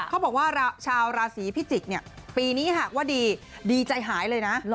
เขาบอกว่าชาวราศรีพิจิกปีนี้ว่าดีดีใจหายเลยนะ